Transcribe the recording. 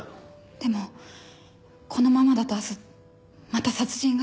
でもこのままだと明日また殺人が。